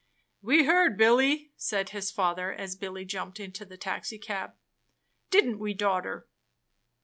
"We heard, Billy," said his father, as Billy jumped into the taxicab, "didn't we, daughter?"